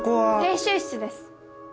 練習室です！